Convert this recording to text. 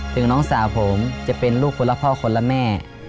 น้องสาวผมจะเป็นลูกคนละพ่อคนละแม่